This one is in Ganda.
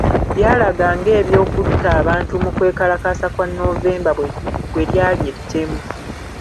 Byalaga ng’ebyokutta abantu mu kwekalakaasa kwa Novemba bwe lyali ettemu .